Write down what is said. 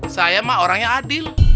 saya mah orang yang adil